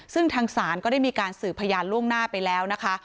ซึ่งทางศาลก็ได้มีการสืบพยานล่วงหน้าไปแล้วนะคะ